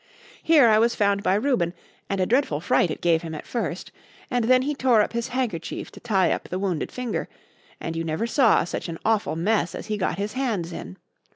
Here I was found by Reuben, and a dreadful fright it gave him at first; and then he tore up his handkerchief to tie up the wounded finger, and you never saw such an awful mess as he got his hands in.